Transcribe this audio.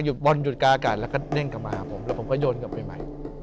บอลหยุดกลางอากาศแล้วก็เด้งกลับมาหาผมแล้วผมก็โยนกลับไปใหม่